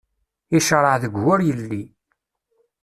Iceṛṛeɛ deg wur yelli.